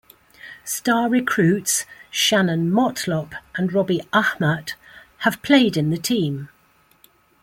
Star recruits, Shannon Motlop and Robbie Ahmat, have played in the team.